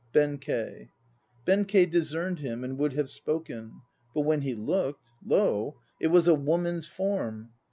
BENKEI. Benkei discerned him and would have spoken. ... But when he looked, lo! it was a woman's form!